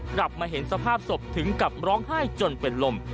กลับมาเห็นสภาพศพถึงกับร้องไห้จนเป็นลม